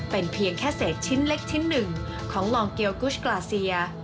เป็นเพียงแค่เศษชิ้นเล็กชิ้นหนึ่งของลองเกียวกุชกลาเซีย